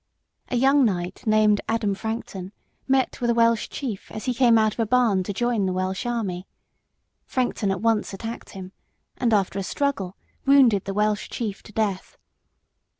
A young knight named Adam Frankton met with a Welsh chief as he came out of a barn to join the Welsh army. Frankton at once attacked him, and after a struggle, wounded the Welsh chief to death.